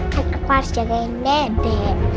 kan aku harus jagain dedek